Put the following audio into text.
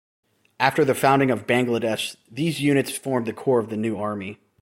After the founding of Bangladesh, these units formed the core of the new army.